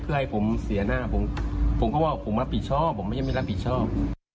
เพื่อให้ผมเสียหน้าผมก็ว่าผมรับผิดชอบผมไม่ได้ไม่รับผิดชอบ